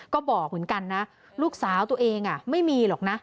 ก็บอกเหมือนกันนะลูกสาวตัวเองไม่มีหรอกนะ